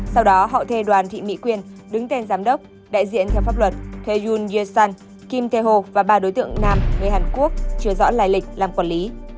sau đó họ thê đoàn thị my quyên đứng tên giám đốc đại diện theo pháp luật thê yoon ye sun kim tae ho và ba đối tượng nam người hàn quốc chứa rõ lãi lịch làm quản lý